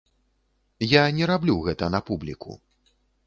Я не раблю гэта на публіку.